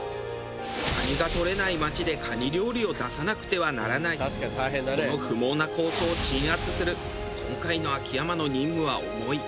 蟹がとれない町で蟹料理を出さなくてはならないこの不毛な抗争を鎮圧する今回の秋山の任務は重い。